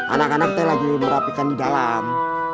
anak anak saya lagi merapikan di dalam